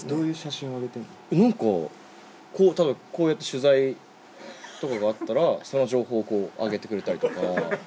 なんか、たぶんこうやって取材とかがあったら、その情報を上げてくれたりとか。